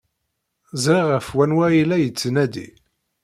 Ẓriɣ ɣef wanwa ay la yettnadi.